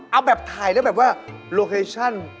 เอาแบบถ่ายแล้วแบบว่าโลเคชั่น